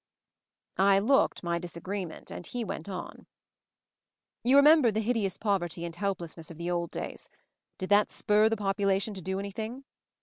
I looked my disagreement, and he went on: "You remember the hideous poverty and helplessness of the old days — did that \ 'spur' the population to do anything?